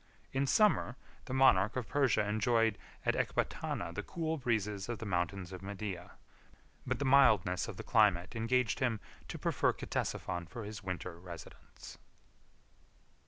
In summer, the monarch of Persia enjoyed at Ecbatana the cool breezes of the mountains of Media; but the mildness of the climate engaged him to prefer Ctesiphon for his winter residence.